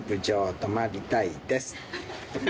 泊まりたいです。